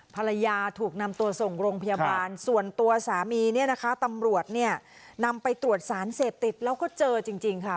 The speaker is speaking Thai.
ภรรยาถูกนำตัวส่งโรงพยาบาลส่วนตัวสามีเนี่ยนะคะตำรวจเนี่ยนำไปตรวจสารเสพติดแล้วก็เจอจริงค่ะ